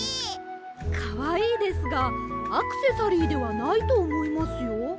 かわいいですがアクセサリーではないとおもいますよ。